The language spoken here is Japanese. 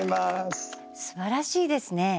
すばらしいですね。